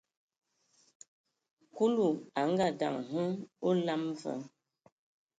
Kulu a ngaandǝŋ hm a olam va,